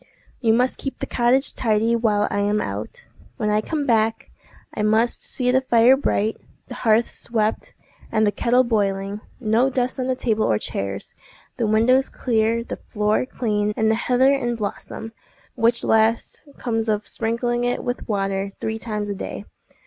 "You must keep the cottage tidy while I am out. When I come back, I must see the fire bright, the hearth swept, and the kettle boiling; no dust on the table or chairs, the windows clear, the floor clean, and the heather in blossom—which last comes of sprinkling it with water three times a day.